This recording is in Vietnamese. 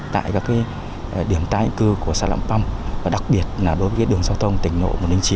tại các điểm tái định cư của xã lạm păm và đặc biệt là đối với đường giao thông tỉnh lộ một trăm linh chín